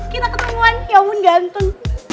kita ketemuan ya ampun ganteng